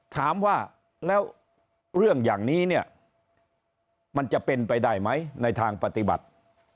ถามว่าแล้วเรื่องอย่างนี้เนี่ยมันจะเป็นไปได้ไหมในทางปฏิบัติ